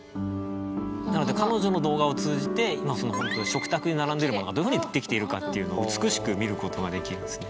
なので彼女の動画を通じて今食卓に並んでいるものがどういうふうにできているかっていうのを美しく見る事ができるんですね。